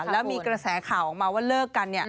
แล้วมีกระแสข่าวออกมาว่าเลิกกัน